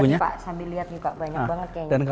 banyak banget kayaknya